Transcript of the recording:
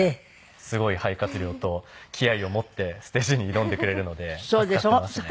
すごい肺活量と気合を持ってステージに挑んでくれるので助かってますね。